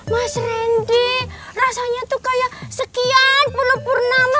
mas rendy rasanya tuh kayak sekian pelupur nama